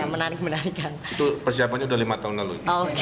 itu persiapannya sudah lima tahun lalu